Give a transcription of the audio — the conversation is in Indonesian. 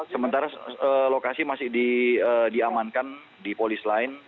sementara lokasi masih diamankan di polis lain